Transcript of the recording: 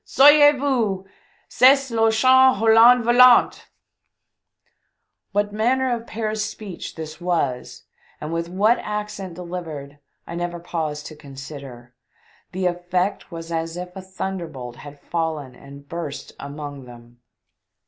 Sauvez voMS ! Cest r Hollandais Volant /" What manner of Paris speech this was, and with what accent delivered, I never paused to consider ; the effect was as if a thunder bolt had fallen and burst amone them.